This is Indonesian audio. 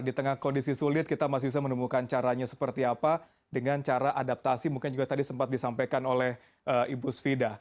di tengah kondisi sulit kita masih bisa menemukan caranya seperti apa dengan cara adaptasi mungkin juga tadi sempat disampaikan oleh ibu svida